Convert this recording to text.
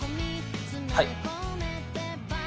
はい。